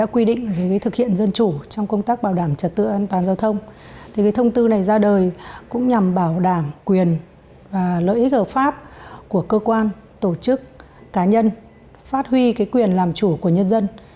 quyền và lợi ích hợp pháp của cơ quan tổ chức cá nhân phát huy quyền làm chủ của nhân dân